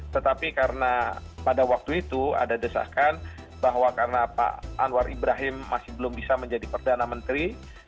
tetapi karena pada waktu itu ada desakan bahwa karena pak anwar ibrahim masih belum bisa menjadi perdana menteri